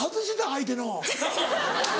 相手の。